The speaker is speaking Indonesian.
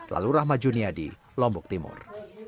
lalu rahmat juniadi lombok timur